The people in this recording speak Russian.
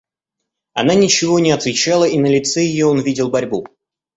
Она ничего не отвечала, и на лице ее он видел борьбу.